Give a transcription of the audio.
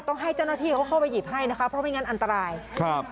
ต้องให้เจ้าหน้าที่เขาเข้าไปหยิบให้นะคะเพราะไม่งั้นอันตรายครับ